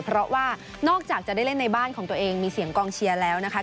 เพราะว่านอกจากจะได้เล่นในบ้านของตัวเองมีเสียงกองเชียร์แล้วนะคะ